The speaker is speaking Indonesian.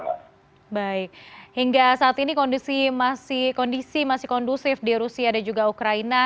baik hingga saat ini kondisi masih kondusif di rusia dan juga ukraina